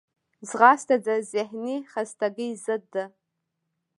ځغاسته د ذهني خستګي ضد ده